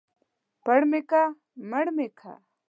پړ مې که ، مړ مې که.